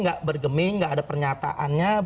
nggak bergeming gak ada pernyataannya